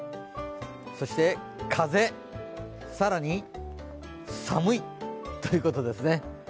そして、風更に寒いということですね。